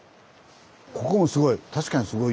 ここもすごい。